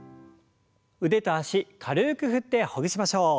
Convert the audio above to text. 腕と脚軽く振ってほぐしましょう。